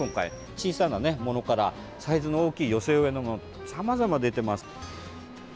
小さなものからサイズの大きい寄せ植えのものとさまざま出てます。